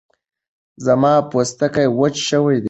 زما پوستکی وچ شوی دی